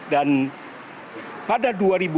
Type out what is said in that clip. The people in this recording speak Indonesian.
dan pada dua ribu dua puluh empat